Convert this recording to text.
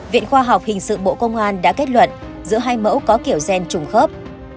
viện khoa học hình sự bộ công an đã kết luận giữa hai mẫu có kiểu gen trùng khớp